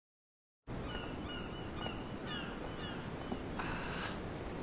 ああ。